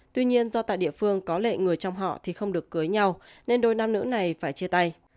tuy nhiên do tại địa phương có lệ người trong họ thì không được cưới nhau nên đôi nam nữ này phải chia tay